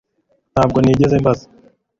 ntabwo nigeze mbaza